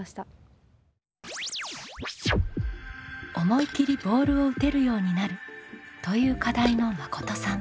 「思い切りボールを打てる」ようになるという課題のまことさん。